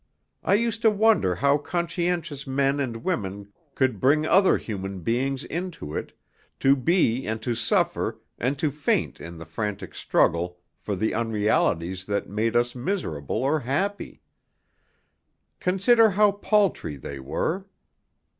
I used to wonder how conscientious men and women could bring other human beings into it, to be and to suffer and to faint in the frantic struggle for the unrealities that made us miserable or happy. Consider how paltry they were.